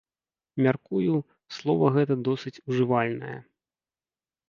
Мяркую, слова гэта досыць ужывальнае.